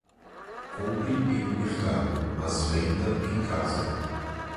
Compre em um mercado, mas venda em casa.